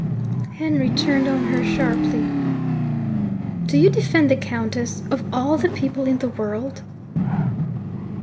Henry turned on her sharply. 'Do you defend the Countess, of all the people in the world?'